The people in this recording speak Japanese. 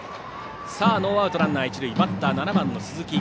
ノーアウトランナー、一塁でバッターは鈴木。